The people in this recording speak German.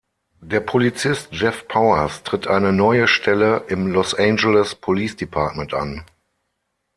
Der Polizist Jeff Powers tritt eine neue Stelle im Los Angeles Police Department an.